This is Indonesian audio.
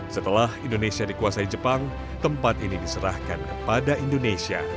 setelah indonesia dikuasai jepang tempat ini diserahkan kepada indonesia